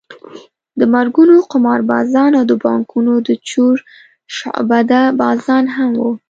د مرګونو قماربازان او د بانکونو د چور شعبده بازان هم وو.